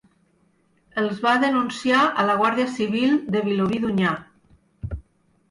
Els va denunciar a la Guàrdia Civil de Vilobí d'Onyar.